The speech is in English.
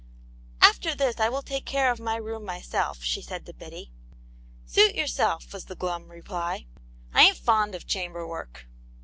" After this I will take care of my room myself," she said to Biddy. "Suit yourself," was the glum reply. "I ain't fond of chamber work."